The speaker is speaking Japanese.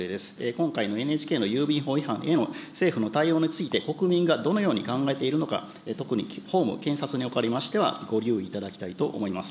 今回のＮＨＫの郵便法違反への政府の対応について、国民がどのように考えているのか、特に法務、検察におかれましてはご留意いただきたいと思います。